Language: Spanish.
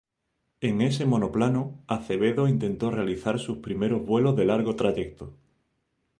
En ese monoplano, Acevedo intentó realizar sus primeros vuelos de largo trayecto.